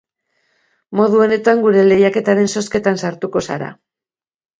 Modu honetan gure lehiaketaren zozketan sartuko zara.